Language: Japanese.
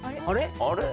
あれ？